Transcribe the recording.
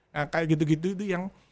nah kayak gitu gitu itu yang